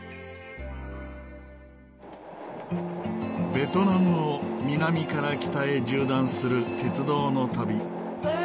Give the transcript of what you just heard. ベトナムを南から北へ縦断する鉄道の旅。